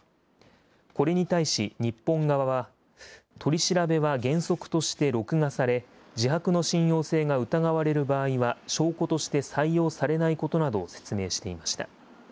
これに対し日本側は、取り調べは原則として録画され、自白の信用性が疑われる場合は証拠として採用されないことなどを説明していました。